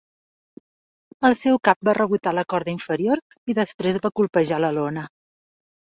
El seu cap va rebotar a la corda inferior i després va colpejar la lona.